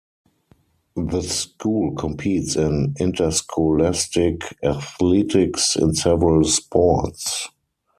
The school competes in interscholastic athletics in several sports.